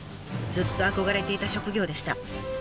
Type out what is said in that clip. ずっと憧れていた職業でした。